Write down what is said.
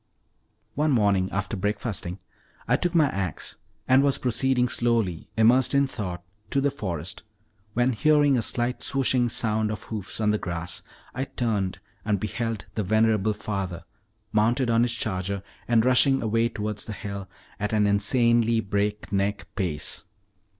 One morning after breakfasting, I took my ax, and was proceeding slowly, immersed in thought, to the forest, when hearing a slight swishing sound of hoofs on the grass, I turned and beheld the venerable father, mounted on his charger, and rushing away towards the hills at an insanely break neck pace.